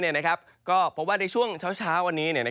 เพราะว่าในช่วงเช้าวันนี้